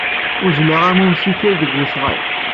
Uzzleɣ am umestir deg usɣal.